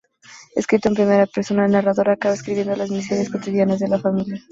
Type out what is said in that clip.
Escrito en primera persona, el narrador acaba escribiendo las miserias cotidianas de la familia.